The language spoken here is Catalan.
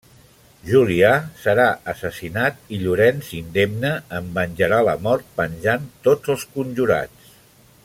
Julià serà assassinat i Llorenç, indemne, en venjarà la mort penjant tots els conjurats.